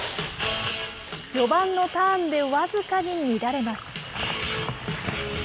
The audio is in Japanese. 序盤のターンで僅かに乱れます。